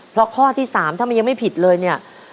เพราะข้อที่๓ถ้ามันยังไม่ผิดเลยเนี่ย